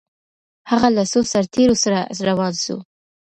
هغه له څو سرتیرو سره روان سو؟